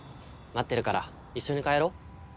待ってるから一緒に帰ろう。